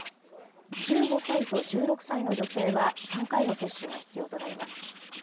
１５歳と１６歳の女性は３回の接種が必要となります。